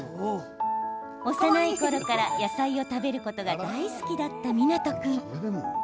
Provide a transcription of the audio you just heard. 幼いころから野菜を食べることが大好きだった湊君。